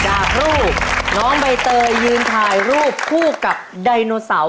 จากรูปน้องใบเตยยืนถ่ายรูปคู่กับไดโนเสาร์